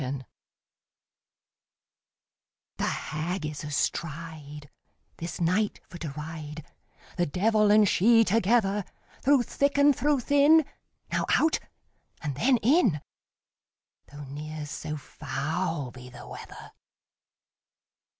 THE HAG The Hag is astride, This night for to ride, The devil and she together; Through thick and through thin, Now out, and then in, Though ne'er so foul be the weather.